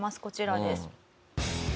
こちらです。